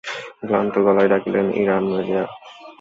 ক্লান্ত গলায় ডাকলেন, ইরা-মীরা।